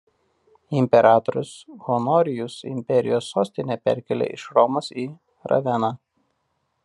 Imperatorius Honorijus imperijos sostinę perkėlė iš Romos į Raveną.